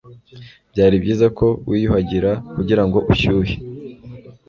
Byari byiza ko wiyuhagira kugirango ushyuhe.